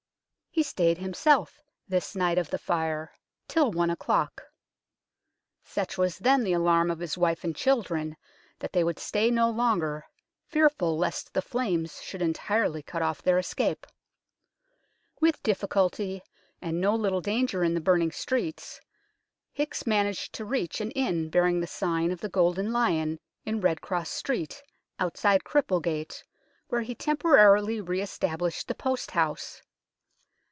He stayed himself this night of the Fire till 204 UNKNOWN LONDON one o'clock. Such was then the alarm of his wife and children that they would stay no longer, fearful lest the flames should entirely cut off their escape. With difficulty, and no little danger in the burning streets, Hickes managed to reach an inn bearing the sign of the Golden Lion in Red Cross Street, outside Cripplegate, where he temporarily re established the post house.